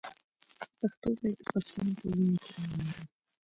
پښتو باید د پښتنو په وینه کې روانه وي.